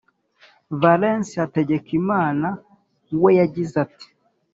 valens hategekimana we yagize ati